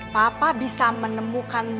papa bisa menemukan